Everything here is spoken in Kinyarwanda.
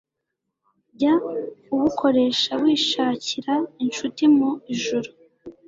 jya ubukoresha wishakira incuti' mu ijuru.